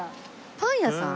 パン屋さん？